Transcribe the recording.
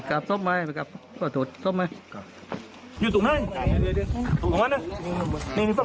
ไปกลับซ่อมมาไปกลับไปถูกซ่อมมาครับอยู่ตรงนั้นตรงนั้นน่ะนี่มีซ่อม